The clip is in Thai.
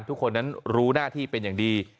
ทุกคนนั้นรู้หน้าที่เป็นอย่างดี